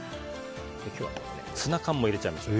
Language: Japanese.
汁ごとツナ缶も入れちゃいましょう。